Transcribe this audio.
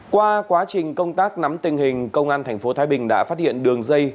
qua quá trình công tác nắm tình hình công an thành phố thái bình đã phát hiện đường dây